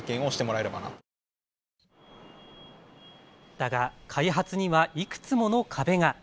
だが開発にはいくつもの壁が。